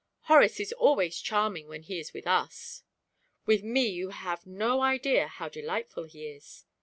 "Horace is always charming when he is with us." "With me you have no idea how delightful he is."